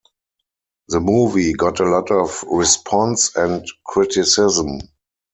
The movie got a lot of response and criticism.